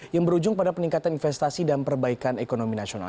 yang berujung pada peningkatan investasi dan perbaikan ekonomi nasional